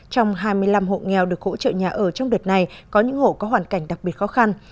trong hai mươi năm hộ nghèo được hỗ trợ nhà ở trong đợt này có những hộ có hoàn cảnh đặc biệt khó khăn